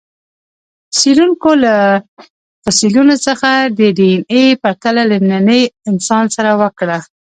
څېړونکو له فسیلونو څخه د ډياېناې پرتله له ننني انسان سره وکړه.